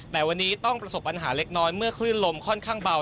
แต่วันนี้ต้องประสบปัญหาเล็กน้อยเมื่อคลื่นลมค่อนข้างเบา